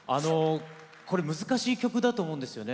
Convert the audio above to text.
これ、難しい曲だと思うんですよね。